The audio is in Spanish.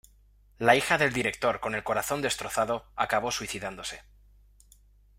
La hija del director con el corazón destrozado, acabó suicidándose.